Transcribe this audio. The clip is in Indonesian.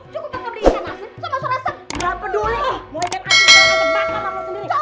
cukup tambah beli ikan asin sama surasan